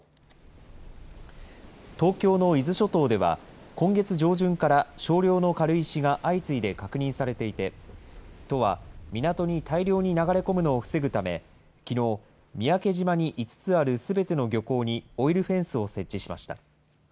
東京の伊豆諸島では今月上旬から少量の軽石が相次いで確認されていて、都は港に大量に流れ込むのを防ぐためきのう、三宅島に５つあるすべての漁港にオイルフェンスを設置しました。